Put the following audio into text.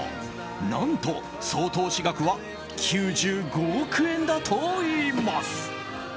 何と総投資額は９５億円だといいます。